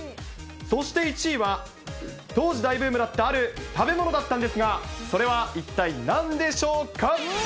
そして１位は、当時大ブームだったある食べ物だったんですが、それは一体なんでしょうか？